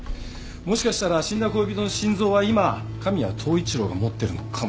もしかしたら死んだ恋人の心臓は今神谷統一郎が持ってるのかもしれないよ。